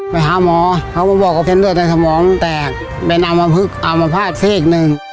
ไปหาหมอเขาบอกว่าเซ็นเดอร์ในสมองแตกเป็นอามภาพาทเสกหนึ่ง